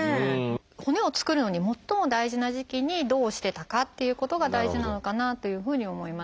骨を作るのに最も大事な時期にどうしてたかっていうことが大事なのかなというふうに思います。